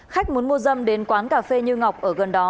khách muốn mua dâm đến quán cà phê như ngọc ở gần đó